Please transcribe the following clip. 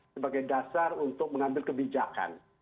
sebagai dasar untuk mengambil kebijakan